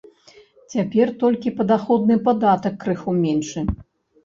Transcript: Цяпер толькі падаходны падатак крыху меншы.